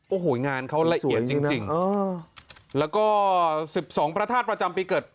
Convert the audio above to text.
โอ้โห้งานเค้าละเอียดจริงจริงแล้วก็สิบสองพระธาตุประจำปีเกิด